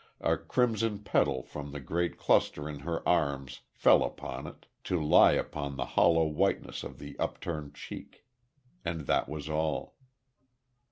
A crimson petal from the great cluster in her arms fell upon it, to lie upon the hollow whiteness of the upturned cheek.... And that was all.